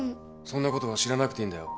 そんなことは知らなくていいんだよ。